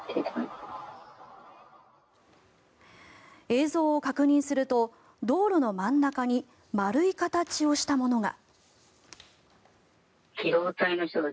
映像を確認すると道路の真ん中に丸い形をしたものが。